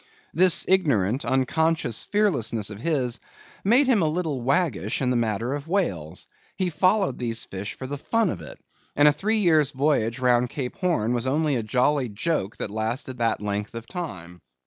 This ignorant, unconscious fearlessness of his made him a little waggish in the matter of whales; he followed these fish for the fun of it; and a three years' voyage round Cape Horn was only a jolly joke that lasted that length of time.